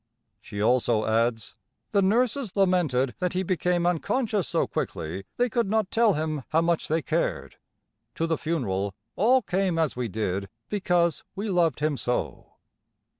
She also adds: "The nurses lamented that he became unconscious so quickly they could not tell him how much they cared. To the funeral all came as we did, because we loved him so."